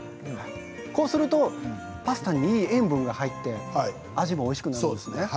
こうするとパスタに塩分が入って味もおいしくなります。